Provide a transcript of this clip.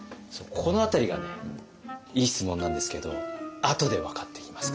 この辺りがねいい質問なんですけどあとで分かってきますから。